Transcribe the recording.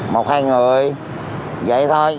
một hai người vậy thôi